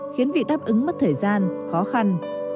khiến việc đáp ứng mất thời gian khó khăn